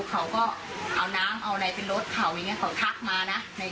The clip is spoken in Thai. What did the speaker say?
เขาก็เอาน้ำเอาไปรถเข่าเขาก็เคยถักมานะ